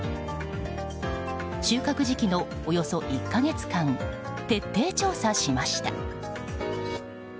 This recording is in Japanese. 収穫時期のおよそ１か月間徹底調査しました。